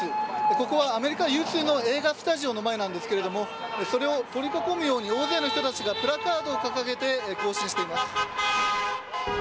ここはアメリカ有数の映画スタジオの前なんですけれども、それを取り囲むように、大勢の人たちがプラカードを掲げて行進しています。